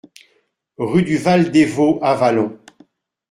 Rue du Val des Vaux, Avallon